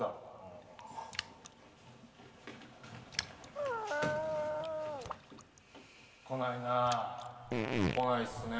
あ。来ないな。来ないっすね。